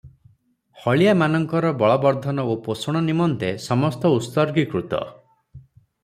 ହଳିଆ ମାନଙ୍କର ବଳବର୍ଦ୍ଧନ ଓ ପୋଷଣ ନିମନ୍ତେ ସମସ୍ତ ଉତ୍ସର୍ଗି କୃତ ।